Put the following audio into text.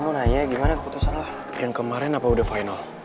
mau nanya gimana keputusan lah yang kemarin apa udah final